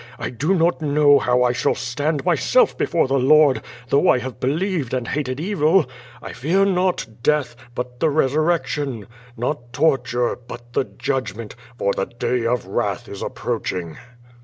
I do not know how I shall stand myself before the Lord, though I have believed, and hated evil. I fear not death, but the resurrection; not torture, but the judgment, for the day of wrath is approaching."